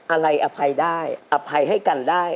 อะไรอภัยได้อภัยให้กันได้